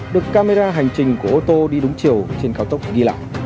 được camera hành trình của ô tô đi đúng chiều trên cao tốc ghi lại